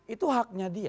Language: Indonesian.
itu haknya dia